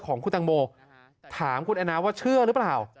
ของคุณตังโมถามคุณแอนนาว่าเชื่อหรือเปล่า